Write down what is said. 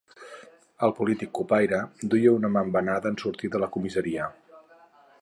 El polític cupaire duia una mà embenada en sortir de la comissaria.